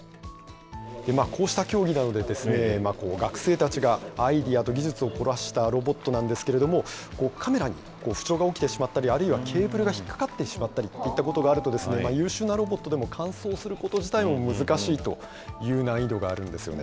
こうした競技なので、学生たちがアイデアと技術を凝らしたロボットなんですけれども、カメラに不調が起きてしまったり、あるいはケーブルが引っ掛かってしまったりということがあるとですね、優秀なロボットでも、完遂すること自体も難しいという難易度があるんですよね。